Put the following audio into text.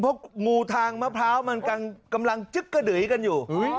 เพราะงูทางมะพร้าวมันกำลังจึ๊กกระดือยกันอยู่